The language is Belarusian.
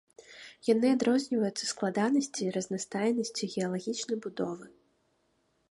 Яны адрозніваюцца складанасцю і разнастайнасцю геалагічнай будовы.